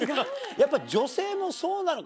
やっぱ女性もそうなのか。